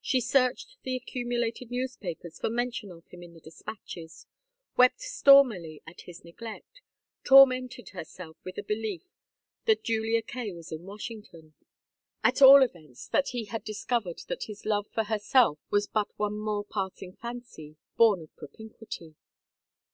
She searched the accumulated newspapers for mention of him in the despatches, wept stormily at his neglect, tormented herself with the belief that Julia Kaye was in Washington; at all events that he had discovered that his love for herself was but one more passing fancy, born of propinquity.